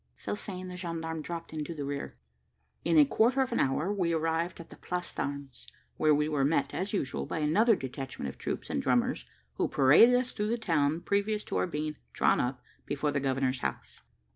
So saying, the gendarme dropped into the rear. In a quarter of an hour we arrived at the Place d'Armes, where we were met, as usual, by another detachment of troops, and drummers, who paraded us through the town previous to our being drawn up before the governor's house.